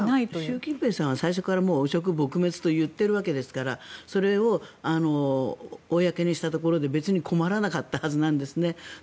習近平さんは最初から汚職撲滅と言っているわけですからそれを公にしたところで別に困らなかったはずなんですね。